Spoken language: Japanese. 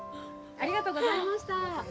ありがとうございます。